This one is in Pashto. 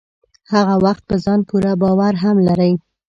هغه وخت په ځان پوره باور هم لرئ.